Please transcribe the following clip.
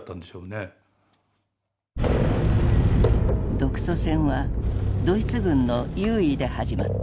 独ソ戦はドイツ軍の優位で始まった。